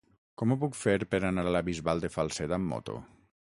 Com ho puc fer per anar a la Bisbal de Falset amb moto?